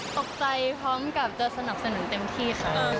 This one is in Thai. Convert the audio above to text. พร้อมกับจะสนับสนุนเต็มที่ค่ะ